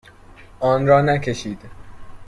آن را نکشید.